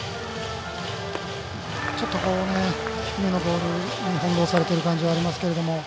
低めのボールに翻弄されている感じがありますが。